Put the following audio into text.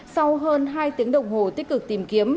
sau hơn hai tiếng đồng hồ tích cực tìm kiếm